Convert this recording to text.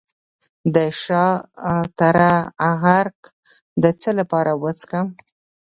د شاه تره عرق د څه لپاره وڅښم؟